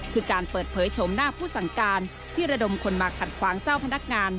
คือการเปิดเผยชมหน้าผู้สั่งการที่ระดมคนมาขัดขวางเจ้าพนักงาน